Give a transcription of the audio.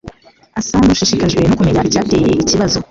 asa nushishikajwe no kumenya icyateye ikibazo